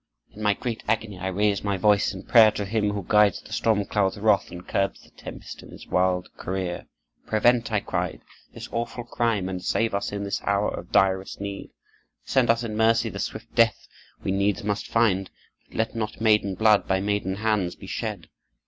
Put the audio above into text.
In my great agony I raised my voice in prayer to Him who guides the storm clouds' wrath and curbs the tempest in its wild career. 'Prevent,' I cried, 'this awful crime, and save us in this hour of direst need! Send us in mercy the swift death we needs must find, but let not maiden blood by maiden hands be shed!